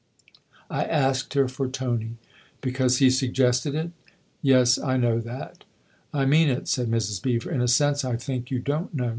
" I asked her for Tony." " Because he suggested it ? Yes, I know that." " I mean it," said Mrs. Beever, " in a sense I think you don't know."